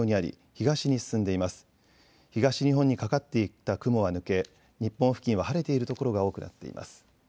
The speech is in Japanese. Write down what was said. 東日本にかかっていた雲は抜け日本付近は晴れている所が多くなっています。